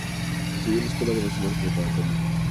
Estudió en la Escuela Nacional Preparatoria.